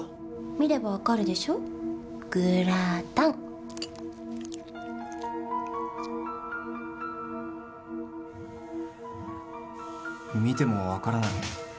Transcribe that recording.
見れば分かるでしょグラタン見ても分からない